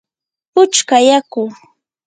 puchka yaku.